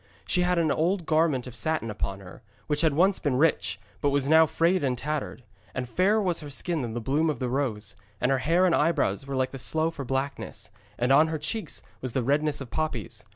She had an old garment of satin upon her, which had once been rich, but was now frayed and tattered; and fairer was her skin than the bloom of the rose, and her hair and eyebrows were like the sloe for blackness, and on her cheeks was the redness of poppies.